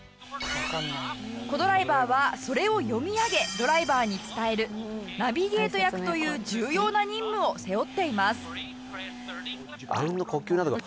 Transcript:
コ・ドライバーはそれを読み上げドライバーに伝えるナビゲート役という重要な任務を背負っています。